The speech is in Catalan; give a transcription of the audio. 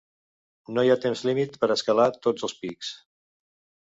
No hi ha temps límit per a escalar tots els pics.